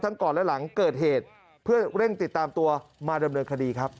ก่อนและหลังเกิดเหตุเพื่อเร่งติดตามตัวมาดำเนินคดีครับ